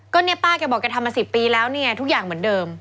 ก็เนี่ยป้าแกบอกแกทำมา๑๐ปีแล้วเนี่ยทุกอย่างเหมือนเดิม